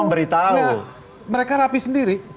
nah mereka rapi sendiri